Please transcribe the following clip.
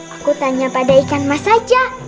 aku tanya pada ikan emas saja